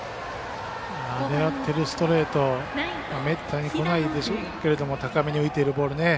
狙ってるストレートめったにこないでしょうけど高めに浮いてるボールね。